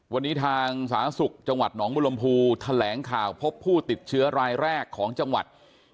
วันนี้ทางสาธารณสุขจังหวัดหนองบุรมภูแถลงข่าวพบผู้ติดเชื้อรายแรกของจังหวัด